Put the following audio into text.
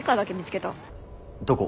どこ？